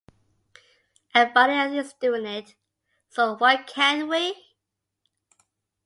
Everybody Else Is Doing It, So Why Can't We?